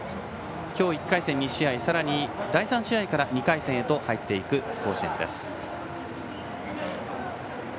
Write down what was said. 今日は１回戦２試合さらに第３試合から２回戦へ入っていく甲子園です。